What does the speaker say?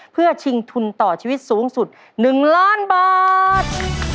เพื่อชิงทุนต่อชีวิตสูงสุด๑ล้านบาท